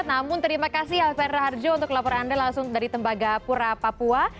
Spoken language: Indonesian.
namun terima kasih alfian raharjo untuk laporan anda langsung dari tembagapura papua